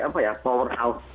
apa ya powerhouse